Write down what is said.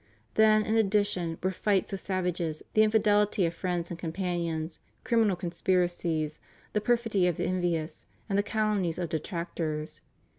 Then, in addition, were fights with savages, the infidelity of friends and companions, criminal con spiracies, the perfidy of the envious, and the calumnies of detractors.